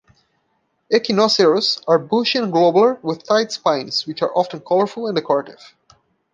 "Echinocereus" are bushy and globular with tight spines which are often colorful and decorative.